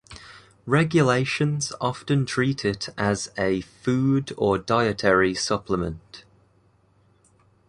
Regulations often treat it as a food or dietary supplement.